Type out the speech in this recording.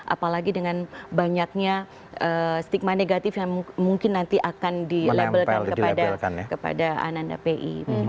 apalagi dengan banyaknya stigma negatif yang mungkin nanti akan dilebelkan kepada anak anak pi